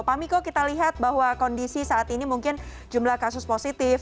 pak miko kita lihat bahwa kondisi saat ini mungkin jumlah kasus positif